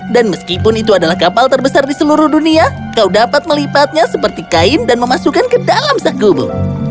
dan meskipun itu adalah kapal terbesar di seluruh dunia kau dapat melipatnya seperti kain dan memasukkan ke dalam sakubu